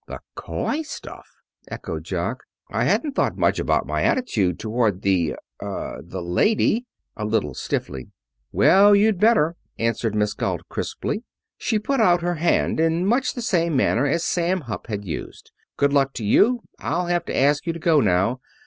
"The coy stuff!" echoed Jock. "I hadn't thought much about my attitude toward the er the lady," a little stiffly. "Well, you'd better," answered Miss Galt crisply. She put out her hand in much the same manner as Sam Hupp had used. "Good luck to you. I'll have to ask you to go now.